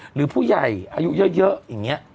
หรือผู้ใหญ่อายุเยอะอย่างนี้